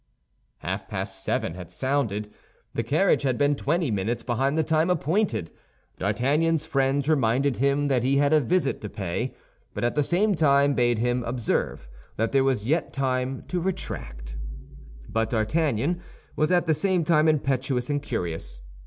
Half past seven had sounded. The carriage had been twenty minutes behind the time appointed. D'Artagnan's friends reminded him that he had a visit to pay, but at the same time bade him observe that there was yet time to retract. But D'Artagnan was at the same time impetuous and curious.